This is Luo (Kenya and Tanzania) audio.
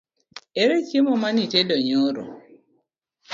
Ere chiemo manitedo nyoro?